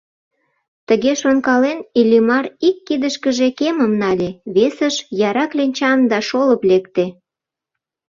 Тыге шонкален, Иллимар ик кидышкыже кемым нале, весыш — яра кленчам да шолып лекте.